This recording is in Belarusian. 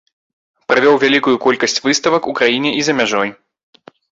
Правёў вялікую колькасць выставак у краіне і за мяжой.